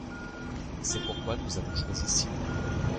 C’est pourquoi nous avons choisi six mois.